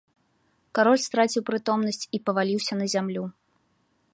Кароль страціў прытомнасць і паваліўся на зямлю.